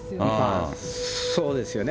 そうですよね。